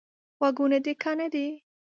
غوږونه دي کاڼه دي؟